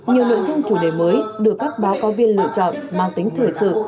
nhiều lựa chung chủ đề mới được các báo cáo viên lựa chọn mang tính thể sự